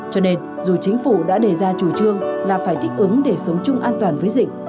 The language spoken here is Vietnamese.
cho nên dù chính phủ đã đề ra chủ trương là phải thích ứng để sống chung an toàn với dịch